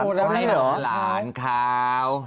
เขาให้นมหลานคราว